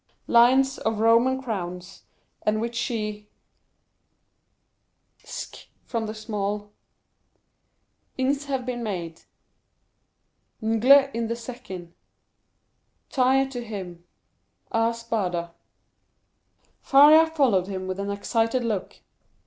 lions of Roman crowns, and which he ...ck from the small ...ings have been made ...ngle in the second; ...tire to him ...ar † Spada." Faria followed him with an excited look.